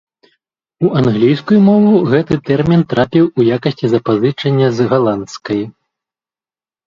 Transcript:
У англійскую мову гэты тэрмін трапіў у якасці запазычання з галандскай.